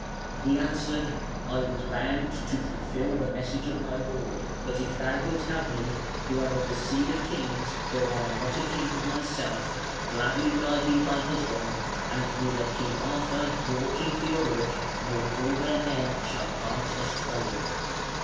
He answered: "I was bound to fulfil the message of my lord; but if thou wilt have me, who am of the seed of kings, though I am not a king myself, gladly will I be thy husband, and neither King Arthur nor King Theodoric nor all their men shall part us twain".